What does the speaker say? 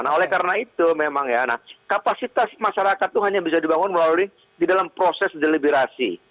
nah karena itu memang ya kapasitas masyarakat itu hanya bisa dibangun melalui proses deliberasi